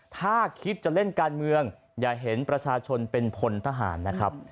ถ้าคิดจะเล่นการเมืองอย่าเห็นประชาชนเป็นพลทหารนะครับ